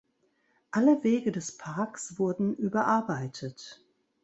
Alle Wege des Parks wurden überarbeitet.